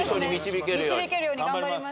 導けるように頑張ります。